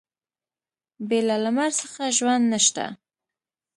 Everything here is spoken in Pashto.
بې له لمر څخه ژوند نشته.